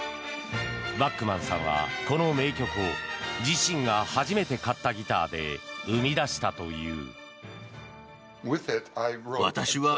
バックマンさんはこの名曲を自身が初めて買ったギターで生み出したという。